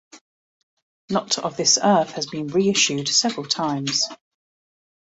"Not of This Earth" has been reissued several times.